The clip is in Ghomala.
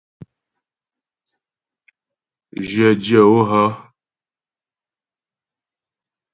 Jyə dyə̌ o hə́ ?